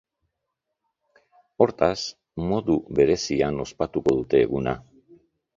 Hortaz, modu berezian ospatuko dute eguna.